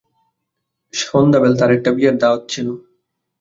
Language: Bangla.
সন্ধ্যাবেল তাঁর একটা বিয়ের দাওয়াত ছিল।